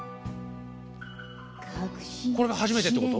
これが初めてってこと？